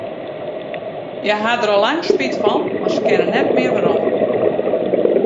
Hja hawwe dêr al lang spyt fan, mar se kinne net mear werom.